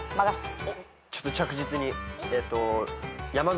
ちょっと着実に。